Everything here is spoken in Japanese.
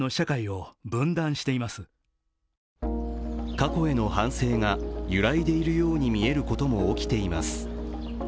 過去への反省が揺らいでいるように見えることも起きています。